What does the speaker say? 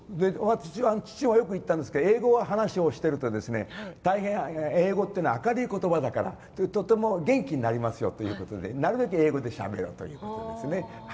父親がよく言ってたんですけど英語で話をしていると大変、英語は明るい言葉だからとても元気になりますということでなるべく英語でしゃべろうということでね。